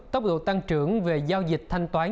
tốc độ tăng trưởng về giao dịch thanh toán